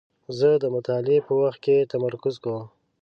زه د مطالعې په وخت کې تمرکز کوم.